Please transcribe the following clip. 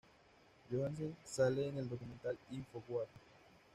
Johansen sale en el documental "Info wars".